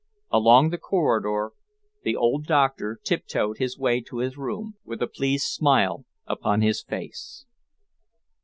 Along the corridor, the old doctor tiptoed his way to his room, with a pleased smile upon his face.